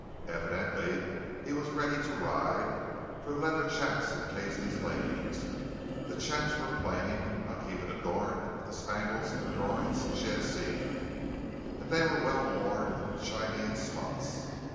Evidently he was ready to ride, for leather chaps incased his legs. The chaps were plain, not even adorned with the spangles of the drawings she had seen; and they were well worn and shiny in spots.